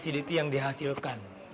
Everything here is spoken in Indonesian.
asiditi yang dihasilkan